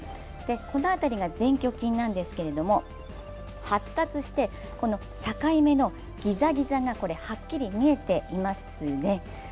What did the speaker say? この辺りが前鋸筋なんですけれども、発達してこの境目のギザギザがはっきり見えていますね。